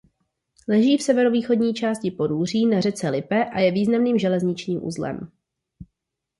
Leží v severovýchodní části Porúří na řece Lippe a je významným železničním uzlem.